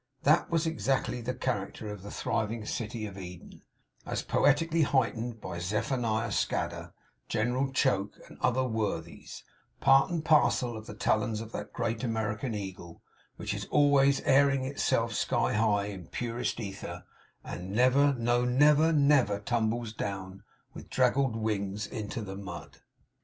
That was exactly the character of the thriving city of Eden, as poetically heightened by Zephaniah Scadder, General Choke, and other worthies; part and parcel of the talons of that great American Eagle, which is always airing itself sky high in purest aether, and never, no never, never, tumbles down with draggled wings into the mud.